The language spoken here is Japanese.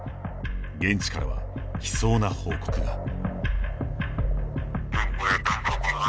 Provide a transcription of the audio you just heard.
現地からは、悲壮な報告が。